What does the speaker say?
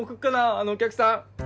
あのお客さん